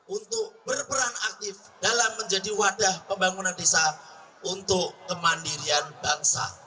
untuk berperan aktif dalam menjadi wadah pembangunan desa untuk kemandirian bangsa